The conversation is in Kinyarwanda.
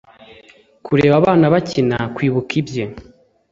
kureba abana bakina kwibuka ibye